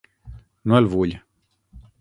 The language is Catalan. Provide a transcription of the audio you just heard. No el vull.